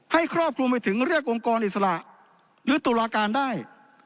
ครอบคลุมไปถึงเรียกองค์กรอิสระหรือตุลาการได้